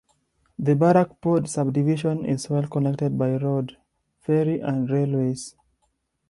The Barrackpore subdivision is well connected by road, ferry and railways.